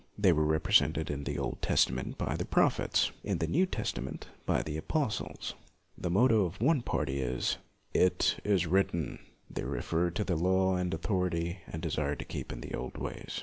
They were represented in the Old Testa ment by the prophets, in the New Testa ment by the apostles. The motto of one party is "It is written"; they refer to law and authority, and desire to keep in the old ways.